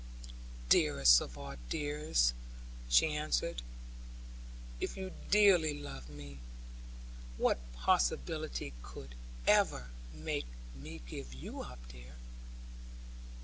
'Dearest of all dears,' she answered; 'if you dearly love me, what possibility could ever make me give you up, dear?'